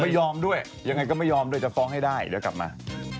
ไม่ยอมด้วยยังไงก็ไม่ยอมด้วยจะฟ้องให้ได้เดี๋ยวกลับมา